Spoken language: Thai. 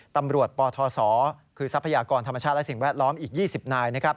ปทศคือทรัพยากรธรรมชาติและสิ่งแวดล้อมอีก๒๐นาย